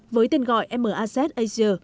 với tên gọi maz asia